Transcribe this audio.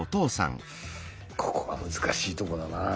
ここが難しいとこだな。